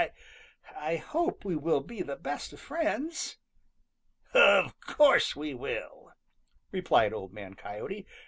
I I hope we will be the best of friends." "Of course we will," replied Old Man Coyote.